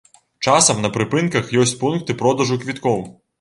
Часам на прыпынках ёсць пункты продажу квіткоў.